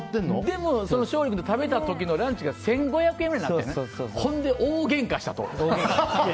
でも、勝利君と食べた時のランチが１５００円ぐらいで大げんかしたと。